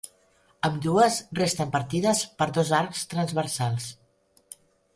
Ambdues resten partides per dos arcs transversals.